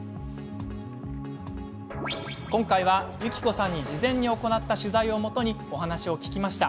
今回は、ゆきこさんに事前に行った取材をもとにお話を聞きました。